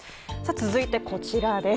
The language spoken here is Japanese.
続いてこちらです。